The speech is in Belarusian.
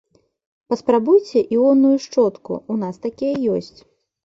Паспрабуйце іонную шчотку, у нас такія ёсць.